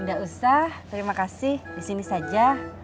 nggak usah terima kasih disini saja